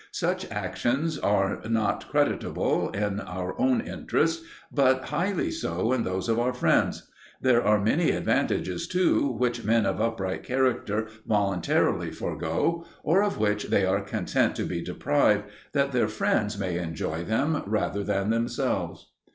Such actions are not creditable in our own interests, but highly so in those of our friends. There are many advantages too which men of upright character voluntarily forego, or of which they are content to be deprived, that their friends may enjoy them rather than themselves.